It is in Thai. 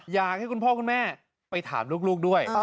อยากให้คุณพ่อคุณแม่ไปถามลูกด้วย